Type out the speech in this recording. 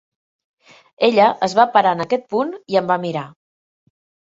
Ella es va parar en aquest punt i em va mirar.